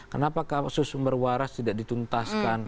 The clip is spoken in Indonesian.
kenapa kasus sumber waras tidak dituntaskan